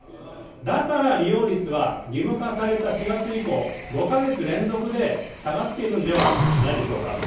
だから利用率は義務化された４月以降、５か月連続で下がっているんではないでしょうか。